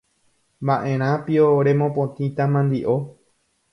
Ma’erãpio remopotĩta mandi’o.